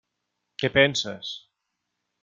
Què penses?